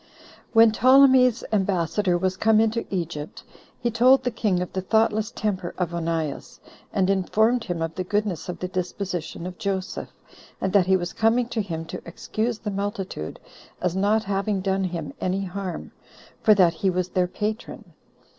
3. When Ptolemy's ambassador was come into Egypt, he told the king of the thoughtless temper of Onias; and informed him of the goodness of the disposition of Joseph; and that he was coming to him to excuse the multitude, as not having done him any harm, for that he was their patron.